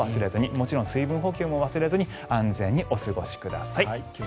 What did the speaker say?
もちろん水分補給も忘れずに安全にお過ごしください。